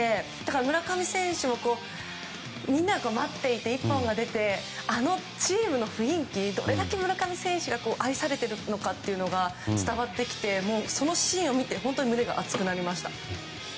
村上選手もみんなが待っていて１本が出て、あのチームの雰囲気どれだけ村上選手が愛されているのかというのが伝わってきて、そのシーンを見て本当に胸が熱くなりました。